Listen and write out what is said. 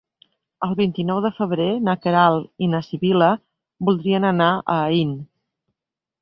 El vint-i-nou de febrer na Queralt i na Sibil·la voldrien anar a Aín.